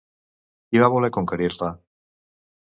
Qui va voler conquerir-la?